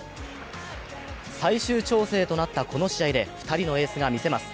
最終調整となったこの試合で２人のエースが見せます。